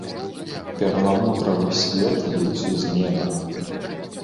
Перламутравы свет ліўся з неба.